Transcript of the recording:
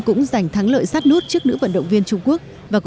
cũng giành thắng lợi sát nút trước nữ vận động viên trung quốc